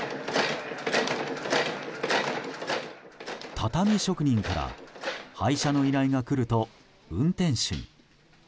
畳職人から配車の依頼が来ると運転手に。